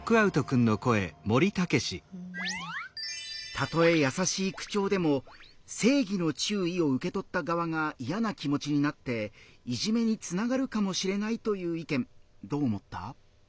たとえ優しい口調でも「正義の注意」を受け取った側が嫌な気持ちになっていじめにつながるかもしれないという意見どう思った？